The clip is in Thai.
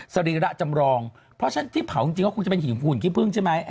สรีระจำรองเพราะฉะนั้นที่เผาจริงก็คงจะเป็นหินหุ่นขี้พึ่งใช่ไหม